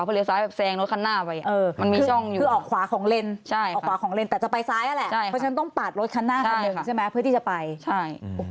เพื่อที่จะไปมุดไปได้เนาะ